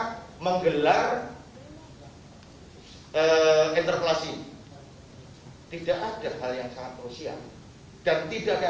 sama sekali tidak terbersih pun tidak